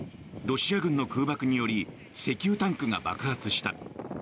ロシア軍の空爆により石油タンクが爆発した。